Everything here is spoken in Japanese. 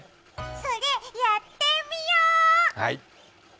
それ、やってみよう！